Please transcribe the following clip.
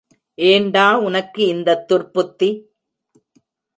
ஏண்டா உனக்கு இந்தத் துர்ப்புத்தி?